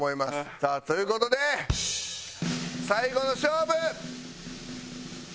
さあという事で最後の勝負。